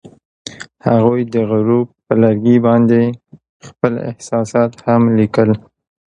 هغوی د غروب پر لرګي باندې خپل احساسات هم لیکل.